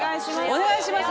お願いします。